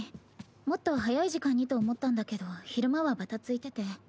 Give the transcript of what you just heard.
もっと早い時間にと思ったんだけど昼間はバタついてて。